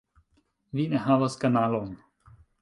- Vi ne havas kanalon